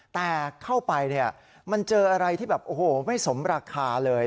แต่เข้าไปเนี่ยมันเจออะไรที่แบบโอ้โหไม่สมราคาเลย